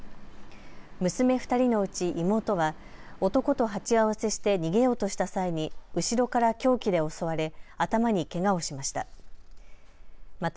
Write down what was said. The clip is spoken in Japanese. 娘２人のうち妹は男と鉢合わせして逃げようとした際に後ろから凶器で襲われ頭にけがをしました。